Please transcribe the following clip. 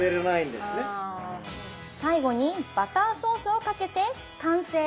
最後にバターソースをかけて完成！